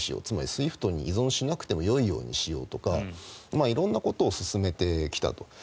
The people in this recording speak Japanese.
つまりＳＷＩＦＴに依存しなくてもいいようにしようとか色んなことを進めてきたと。